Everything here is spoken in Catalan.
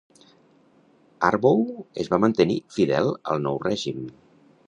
Harbou es va mantenir fidel al nou règim.